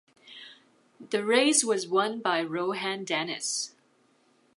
The race was won by Rohan Dennis.